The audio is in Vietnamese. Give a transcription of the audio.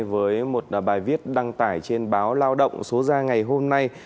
với một bài viết đăng tải trên báo lao động số ra ngày hôm nay